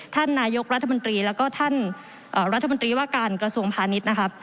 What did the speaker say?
ท่านนายกรัฐมนตรีแล้วก็ท่านรัฐมนตรีว่าการกระทรวงพาณิชย์นะครับ